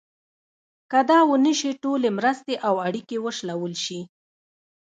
که دا ونه شي ټولې مرستې او اړیکې وشلول شي.